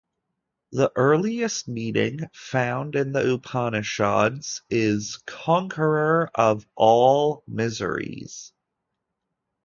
The earliest meaning found in the Upanishads is "conqueror of all miseries".